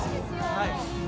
はい。